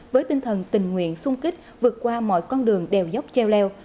với tinh thần tình nguyện sung kích vượt qua mọi con đường đèo dốc treo leo